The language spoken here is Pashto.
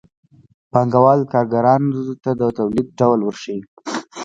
پانګوال کارګرانو ته د تولید ډول ورښيي